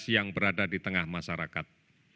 yang berada di tengah masyarakat